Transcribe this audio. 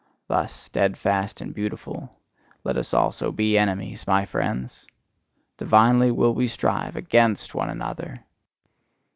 Thus, steadfast and beautiful, let us also be enemies, my friends! Divinely will we strive AGAINST one another!